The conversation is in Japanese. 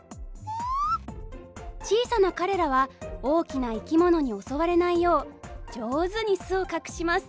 小さな彼らは大きな生き物に襲われないよう上手に巣を隠します。